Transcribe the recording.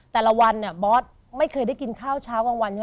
แต่ละวันเนี่ยบอสไม่เคยได้กินข้าวเช้ากลางวันใช่ไหม